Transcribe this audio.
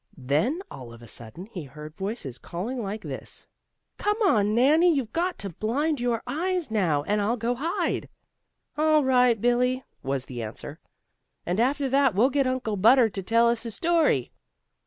Then, all of a sudden, he heard voices calling like this: "Come on, Nannie, you've got to blind your eyes now, and I'll go hide." "All right, Billie," was the answer. "And after that we'll get Uncle Butter to tell us a story."